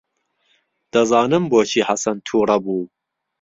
دەزانم بۆچی حەسەن تووڕە بوو.